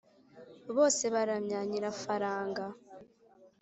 bose baramya nyirafaranga